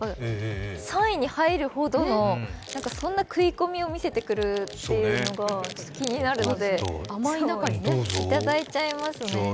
３位に入るほどのそんな食い込みを見せてくるというのが気になるので、いただいちゃいますね。